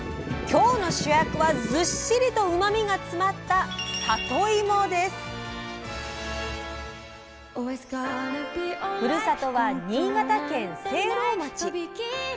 今日の主役はずっしりとうまみが詰まったふるさとは新潟県聖籠町。